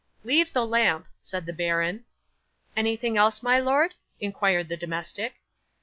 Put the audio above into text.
'"Leave the lamp," said the baron. '"Anything else, my lord?" inquired the domestic.